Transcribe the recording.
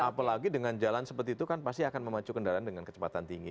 apalagi dengan jalan seperti itu kan pasti akan memacu kendaraan dengan kecepatan tinggi